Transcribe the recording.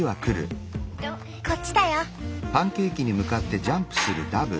こっちだよ。